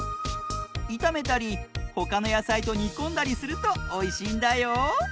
いためたりほかのやさいとにこんだりするとおいしいんだよ。